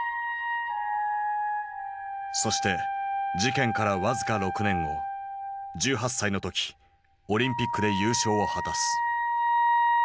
そして事件から僅か６年後１８歳の時オリンピックで優勝を果たす。